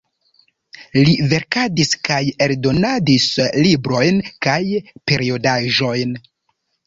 Li verkadis kaj eldonadis librojn kaj periodaĵojn.